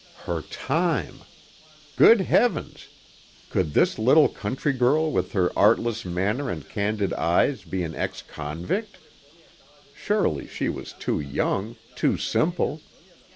Her time! Good Heavens, could this little country girl with her artless manner and candid eyes be an ex convict? Surely she was too young, too simple.